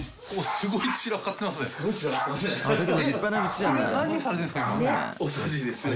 すごい散らかってますよね。